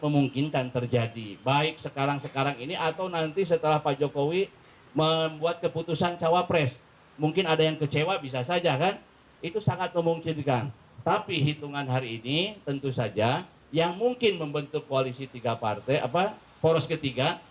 mungkin membentuk koalisi tiga partai apa poros ketiga